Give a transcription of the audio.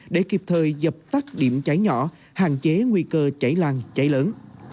để kịp thời dập tắt điểm cháy nhỏ hạn chế nguy cơ cháy lan cháy lớn